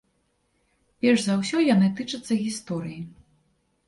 Перш за ўсё яны тычацца гісторыі.